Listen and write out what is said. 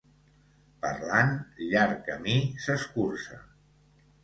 Parlant, llarg camí s'escurça.